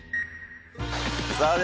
さあ